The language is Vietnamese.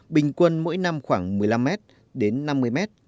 bình quân mỗi năm khoảng một mươi năm m đến năm mươi m